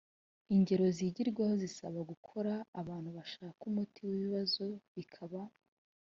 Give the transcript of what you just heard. ingero zigirwaho zisaba gukora abantu bashaka umuti w ibibazo bikaba